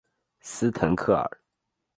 斯滕克尔。